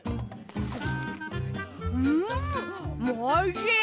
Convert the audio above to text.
んんおいしい！